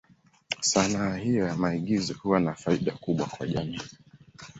Sanaa hiyo ya maigizo huwa na faida kubwa kwa jamii.